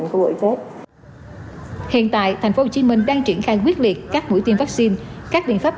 cách hiện tại thành phố hồ chí minh đang triển khai quyết liệt các mũi tiêm vaccine các biện pháp